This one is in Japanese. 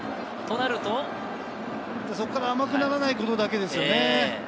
そこから甘くならないことだけですよね。